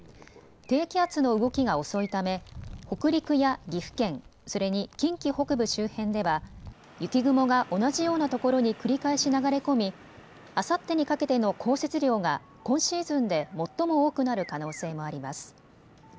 低気圧の動きが遅いため北陸や岐阜県、それに近畿北部周辺では雪雲が同じようなところに繰り返し流れ込みあさってにかけての降雪量が今シーズンで最も多くなる可能性もあります。